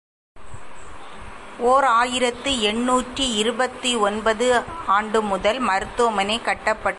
ஓர் ஆயிரத்து எண்ணூற்று இருபத்தொன்பது ஆம் ஆண்டு முதல் மருத்துவமனை கட்டப்பட்டது.